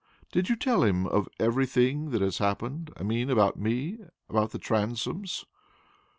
"Did you tell him of everything that has happened I mean about me about the Transomes?"